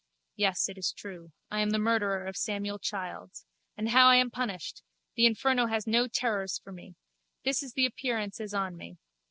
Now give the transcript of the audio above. Yes, it is true. I am the murderer of Samuel Childs. And how I am punished! The inferno has no terrors for me. This is the appearance is on me.